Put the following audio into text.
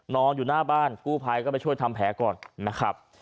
นอนอยู่หน้าบ้านกู้ภัยก็ไปช่วยทำแผลก่อนนะครับ